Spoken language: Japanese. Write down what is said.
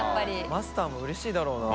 マスターもうれしいだろうな。